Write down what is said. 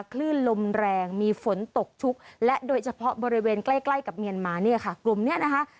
คลื่นลมแรงมีฝนตกชุกและโดยเฉพาะบริเวณใกล้กับเมียนมาเนี่ยค่ะ